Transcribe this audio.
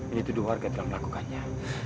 ini tuduh warga telah melakukannya